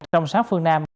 trong sáng phương nam